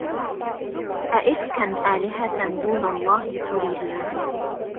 أَئِفكًا آلِهَةً دونَ اللَّهِ تُريدونَ